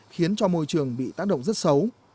khiến cho môi trường bị tác động rất xấu